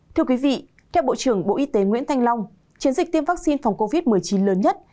thưa quý vị theo bộ trưởng bộ y tế nguyễn thanh long chiến dịch tiêm vaccine phòng covid một mươi chín lớn nhất